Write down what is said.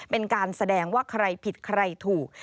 เป็นการแสดงว่าใครผิดใครถูก